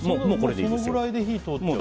もうこれでいいです。